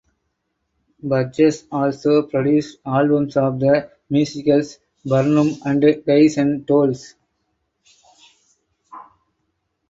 Burgess also produced albums of the musicals "Barnum" and "Guys and Dolls".